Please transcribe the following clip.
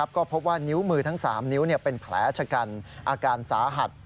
ก็พบว่านิ้วมือทั้ง๓นิ้วเป็นแผลชะกันอาการสาหัส